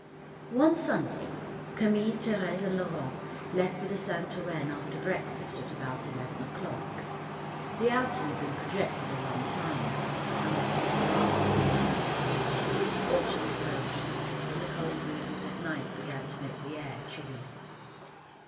One Sunday, Camille, Thérèse and Laurent left for Saint Ouen after breakfast, at about eleven o'clock. The outing had been projected a long time, and was to be the last of the season. Autumn approached, and the cold breezes at night, began to make the air chilly.